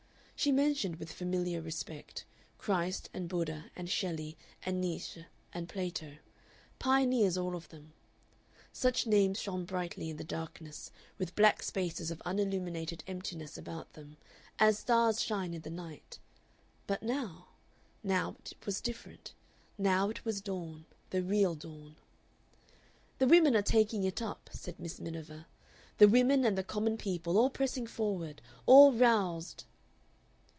She mentioned, with familiar respect, Christ and Buddha and Shelley and Nietzsche and Plato. Pioneers all of them. Such names shone brightly in the darkness, with black spaces of unilluminated emptiness about them, as stars shine in the night; but now now it was different; now it was dawn the real dawn. "The women are taking it up," said Miss Miniver; "the women and the common people, all pressing forward, all roused."